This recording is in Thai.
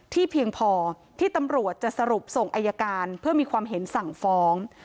เพียงพอที่ตำรวจจะสรุปส่งอายการเพื่อมีความเห็นสั่งฟ้อง